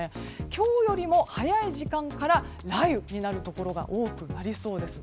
今日よりも早い時間から雷雨になるところが多くなりそうです。